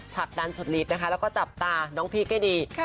ผลักดันสุดลีตนะคะและก็จับตาน้องพีคให้ดี